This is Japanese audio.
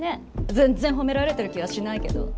全然褒められてる気はしないけど。